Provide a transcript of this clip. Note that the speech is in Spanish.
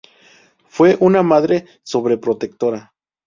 Fue una madre sobreprotectora.